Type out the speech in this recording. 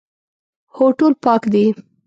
هو، ټول پاک دي